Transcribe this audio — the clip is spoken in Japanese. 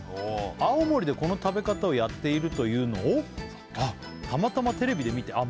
青森でこの食べ方をやっているというのをたまたまテレビで見てあっ